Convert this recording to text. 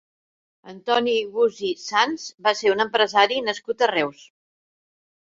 Antoni Gusí Sans va ser un empresari nascut a Reus.